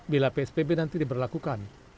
bila psbb nanti diberlakukan